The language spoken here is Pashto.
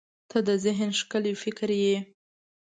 • ته د ذهن ښکلي فکر یې.